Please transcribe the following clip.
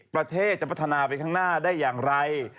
ประเทศจะพัฒนาไปข้างหน้าได้อย่างไร